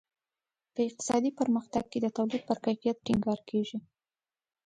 په اقتصادي پرمختګ کې د تولید پر کیفیت ټینګار کیږي.